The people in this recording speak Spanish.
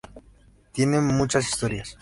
Tiene muchas historias.